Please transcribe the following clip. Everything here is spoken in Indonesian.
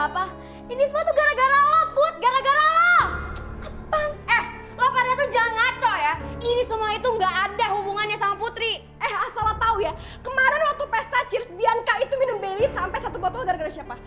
bianca itu minum bailey sampe satu botol gara gara siapa